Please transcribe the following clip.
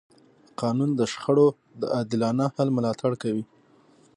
قانون د شخړو د عادلانه حل ملاتړ کوي.